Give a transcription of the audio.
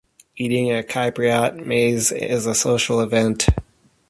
Eating a Cypriot meze is a social event.